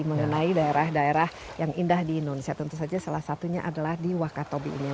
mengenai daerah daerah yang indah di indonesia tentu saja salah satunya adalah di wakatobi ini